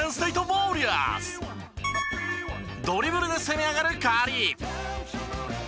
ドリブルで攻め上がるカリー。